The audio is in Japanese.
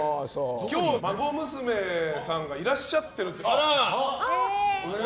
今日、孫娘さんがいらっしゃってると。